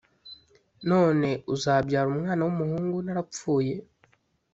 None uzabyara umwana w'umuhungu narapfuye